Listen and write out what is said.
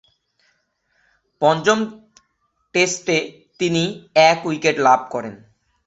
পঞ্চম টেস্টে তিনি এক উইকেট লাভ করেন।